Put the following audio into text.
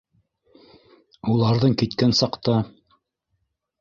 Уларҙың киткән саҡта: